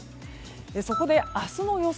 そこで、明日の予想